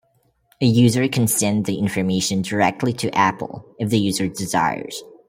A user can send the information directly to Apple if the user desires.